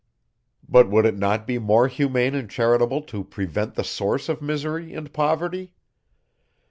But would it not be more humane and charitable to prevent the source of misery and poverty?